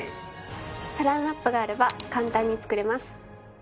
サランラップがあれば簡単に作れます。